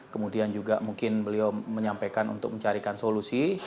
kemudian juga mungkin beliau menyampaikan untuk mencarikan solusi